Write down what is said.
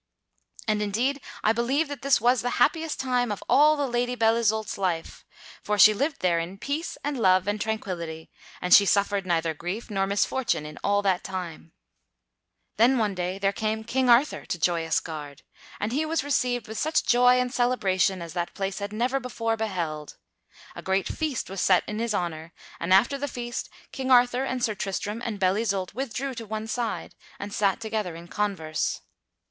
And indeed I believe that this was the happiest time of all the Lady Belle Isoult's life, for she lived there in peace and love and tranquillity and she suffered neither grief nor misfortune in all that time. [Sidenote: King Arthur comes to Joyous Gard] Then one day there came King Arthur to Joyous Gard, and he was received with such joy and celebration as that place had never before beheld. A great feast was set in his honor, and after the feast King Arthur and Sir Tristram and Belle Isoult withdrew to one side and sat together in converse.